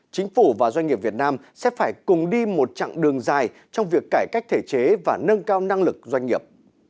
chính phủ và doanh nghiệp việt nam sẽ phải cùng đi một chặng đường dài trong việc cải cách thể chế và nâng cao năng lực doanh nghiệp